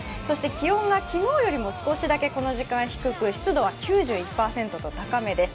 気温が昨日よりも少しだけこの時間低く、湿度は９１％と高めです。